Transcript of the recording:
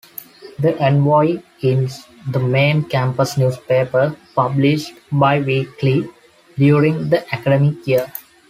"The Envoy" is the main campus newspaper, published bi-weekly during the academic year.